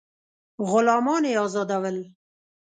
غلامان یې آزادول.